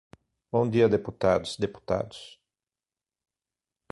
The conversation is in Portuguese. Bom dia, deputados, deputados.